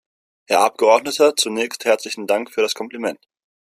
Herr Abgeordneter! Zunächst herzlichen Dank für das Kompliment.